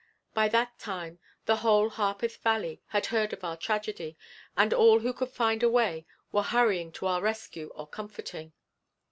By that time the whole Harpeth Valley had heard of our tragedy and all who could find a way were hurrying to our rescue or comforting.